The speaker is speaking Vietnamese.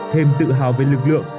thêm tự hào về lực lượng